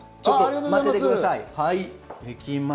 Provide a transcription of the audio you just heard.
待っていてください。